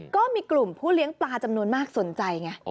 ก็มีกลุ่มผู้เลี้ยงปลาจำนวนมากสนใจไง